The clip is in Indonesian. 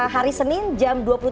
hari senin jam dua puluh tiga